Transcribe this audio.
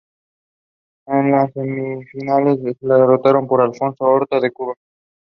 En las semifinales fue derrotado por Adolfo Horta de Cuba.